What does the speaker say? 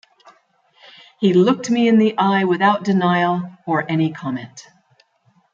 He looked me in the eye without denial-or any comment.